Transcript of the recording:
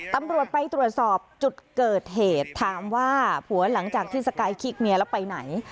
ตำรวจไปตรวจสอบจุดเกิดเหตุถามว่าผัวหลังจากที่สกายคิกเมียแล้วไปไหน